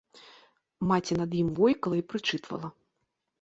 Маці над ім войкала і прычытвала.